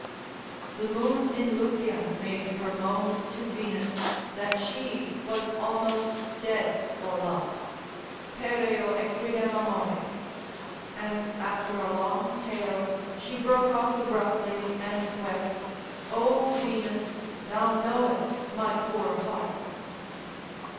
The moon in Lucian made her moan to Venus, that she was almost dead for love, pereo equidem amore, and after a long tale, she broke off abruptly and wept, O Venus, thou knowest my poor heart.